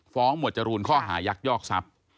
หมวดจรูนข้อหายักยอกทรัพย์